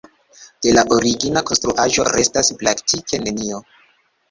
De la origina konstruaĵo restas praktike nenio.